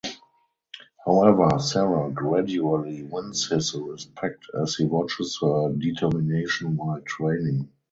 However Sarah gradually wins his respect as he watches her determination while training.